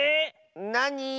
なに？